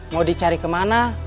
mau dicari kemana